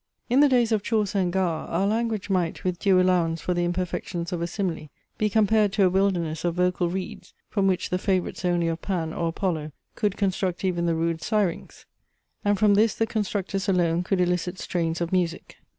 In the days of Chaucer and Gower, our language might (with due allowance for the imperfections of a simile) be compared to a wilderness of vocal reeds, from which the favourites only of Pan or Apollo could construct even the rude syrinx; and from this the constructors alone could elicit strains of music.